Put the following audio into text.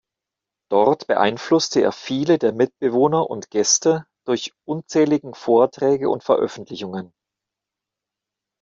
Dort beeinflusste er viele der Mitbewohner und Gäste durch unzähligen Vorträge und Veröffentlichungen.